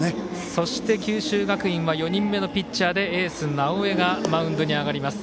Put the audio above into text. そして九州学院は４人目のピッチャーでエース直江がマウンドに上がります。